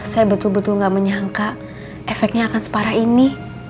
saya betul betul gak menyangka efeknya akan separah ini